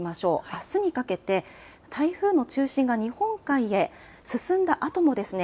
あすにかけて台風の中心が日本海へ進んだあともですね